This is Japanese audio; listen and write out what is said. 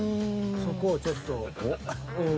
そこをちょっと。